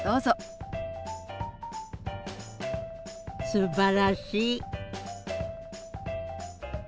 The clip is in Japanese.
すばらしい。